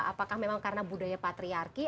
apakah memang karena budaya patriarki